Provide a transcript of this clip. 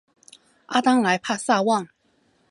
阿当莱帕萨旺。